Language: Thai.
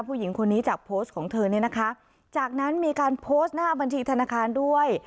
ผู้หญิงคนนี้จากโพสต์ของเธอเนี่ยนะคะจากนั้นมีการโพสต์หน้าบัญชีธนาคารด้วย